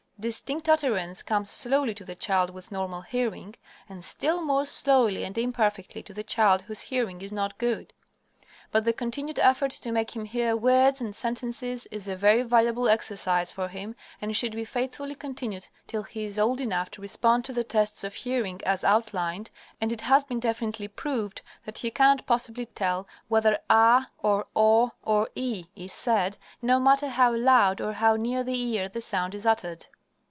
Distinct utterance comes slowly to the child with normal hearing, and still more slowly and imperfectly to the child whose hearing is not good. But the continued effort to make him hear words and sentences is a very valuable exercise for him and should be faithfully continued till he is old enough to respond to the tests of hearing as outlined and it has been definitely proved that he cannot possibly tell whether ä, or (o with macron) or (e with macron) is said, no matter how loud or how near the ear the sound is uttered.